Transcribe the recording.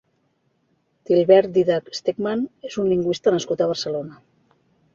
Tilbert Dídac Stegmann és un lingüista nascut a Barcelona.